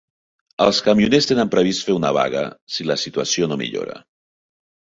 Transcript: Els camioners tenen previst fer una vaga si la situació no millora.